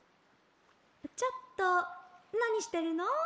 「ちょっとなにしてるの？